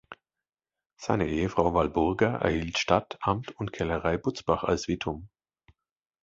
Seine Ehefrau Walburga erhielt Stadt, Amt und Kellerei Butzbach als Wittum.